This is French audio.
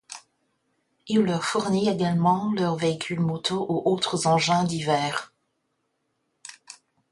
Il leur fournit également leurs véhicules motos ou autres engins divers.